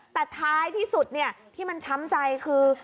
แต่ท้ายที่สุดที่มันช้ำใจคือ